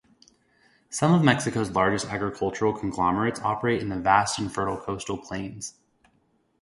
Some of Mexico's largest agricultural conglomerates operate in the vast and fertile coastal plains.